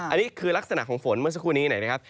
อันนี้คือลักษณะของฝนเมื่อสักครู่นี้หน่อยนะครับ